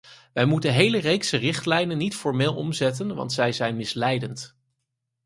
Wij moeten hele reeksen richtlijnen niet formeel omzetten want zij zijn misleidend.